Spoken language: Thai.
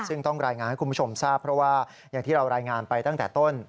ซึ่งต้องรายงานให้คุณผู้ชมทราบเพราะว่าอย่างที่เรารายงานไปตั้งแต่ต้น